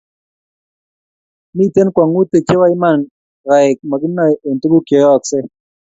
Miten kwongutik chebo Iman gaek maginae eng tuguk cheyeyoske